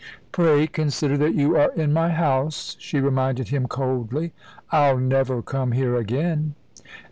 "Pray consider that you are in my house," she reminded him coldly. "I'll never come here again."